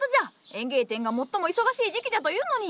園芸店が最も忙しい時期じゃというのに！